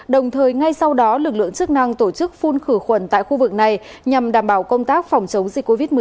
đồng thời ngay sau đó lực lượng chức năng tổ chức phun khử khuẩn tại khu vực này nhằm đảm bảo công tác phòng chống dịch covid một mươi chín